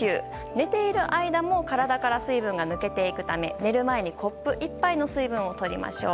寝ている間も体から水分が抜けていくため寝る前にコップ１杯の水分をとりましょう。